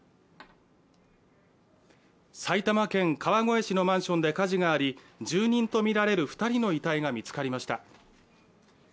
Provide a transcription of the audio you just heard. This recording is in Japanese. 埼玉県川越市のマンションで火事があり、住人とみられる２人の遺体が見つかりました。